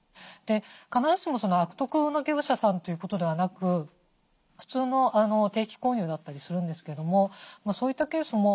必ずしも悪徳な業者さんということではなく普通の定期購入だったりするんですけどもそういったケースも。